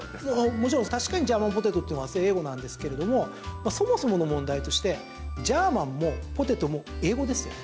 もちろん、確かにジャーマンポテトって和製英語なんですけれどもそもそもの問題としてジャーマンもポテトも英語ですよね？